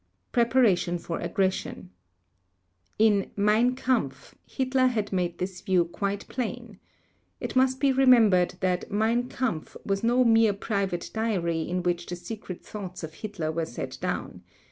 Preparation for Aggression In Mein Kampf Hitler had made this view quite plain. It must be remembered that Mein Kampf was no mere private diary in which the secret thoughts of Hitler were set down.